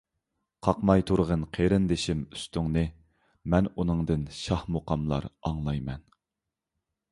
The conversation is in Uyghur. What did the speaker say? قاقماي تۇرغىن قېرىندىشىم ئۈستۈڭنى، مەن ئۇنىڭدىن شاھ مۇقاملار ئاڭلاي مەن.